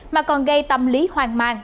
mà còn gây tâm lý hoang mang